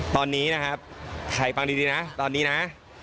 ตอนนี้นะครับใครฟังดีนะตอนนี้นะ